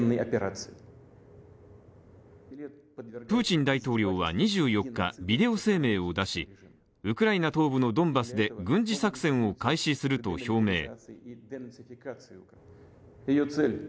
プーチン大統領は２４日、ビデオ声明を出しウクライナ東部のドンバスで軍事作戦を開始すると表明。